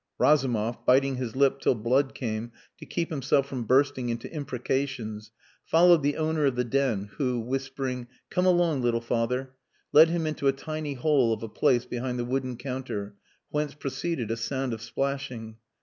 Razumov, biting his lip till blood came to keep himself from bursting into imprecations, followed the owner of the den, who, whispering "Come along, little father," led him into a tiny hole of a place behind the wooden counter, whence proceeded a sound of splashing.